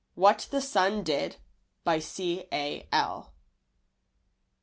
WHAT THE SUN DID. BY C. A. L.